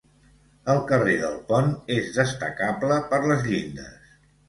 El carrer del Pont és destacable per les llindes.